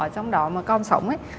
trong đó mà con sống ấy